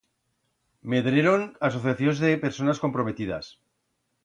Medreron asociacions de personas comprometidas.